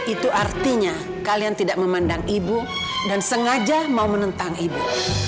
itu artinya kalian tidak memandang ibu dan sengaja mau menentang ibu